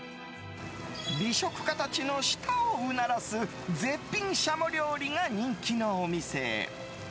美食家たちの舌をうならす絶品・軍鶏料理が人気のお店！